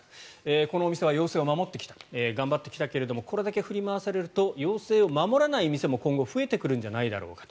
このお店は要請を守っていたこれだけ振り回されると要請を守らない店も今後増えてくるんじゃないかと。